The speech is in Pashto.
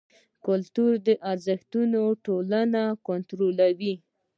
کلتوري ارزښتونه ټولنه کنټرولوي.